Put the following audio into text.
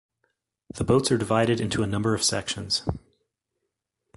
The boats are divided into a number of sections.